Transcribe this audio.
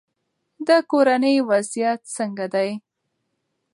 د کورنۍ وضعیت څنګه دی؟